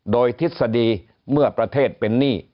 โดยทฤษฎีเมื่อประเทศเป็นหนี้